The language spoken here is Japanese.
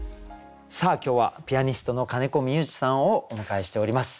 さあ今日はピアニストの金子三勇士さんをお迎えしております。